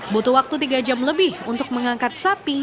butuh waktu tiga jam lebih untuk mengangkat sapi